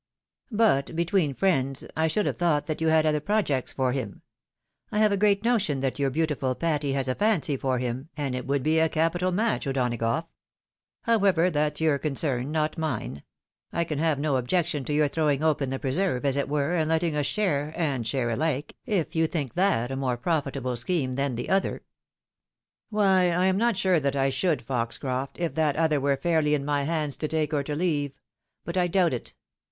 But, between friends, I should have thought that you had other projects for him. I have a great notion that your beautiful Patty has a fancy for him, and it would be a capital match, O'Donagough. However, that's your concern, not mine. I can have no objection to yom: throwing open the preserve, as it were, and letting us share and share alike, if you think that a more profitable scheme than the other," 296 THE WIDOW MARRIED. " Why, I am not sure that I should, Foxcroft, if that other were fairly in my hands to take or to leave ; but I doubt it.